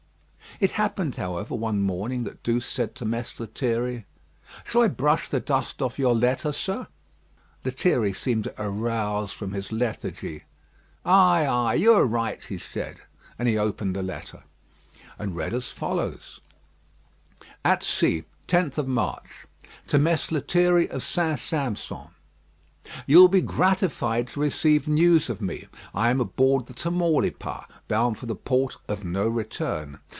It happened, however, one morning that Douce said to Mess Lethierry: "Shall I brush the dust off your letter, sir?" Lethierry seemed to arouse from his lethargy. "Ay, ay! You are right," he said; and he opened the letter, and read as follows: "At Sea, 10th March. "To Mess Lethierry of St. Sampson. "You will be gratified to receive news of me. I am aboard the Tamaulipas, bound for the port of 'No return.'